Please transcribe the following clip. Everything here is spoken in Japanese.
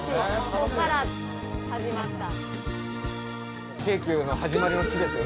ここから始まった。